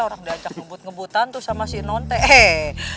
orang diajak ngebut ngebutan tuh sama si non te